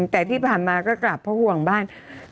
แต่ที่ผ่านมาก็กลับเพราะห่วงบ้าน